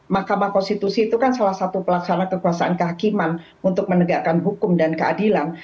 mahkamah konstitusi itu kan salah satu pelaksana kekuasaan kehakiman untuk menegakkan hukum dan keadilan